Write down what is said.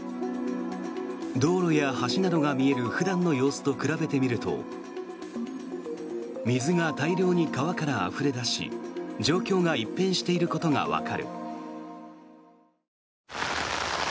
道路や橋などが見える普段の様子と比べてみると水が大量に川からあふれ出し状況が一変していることがわかる。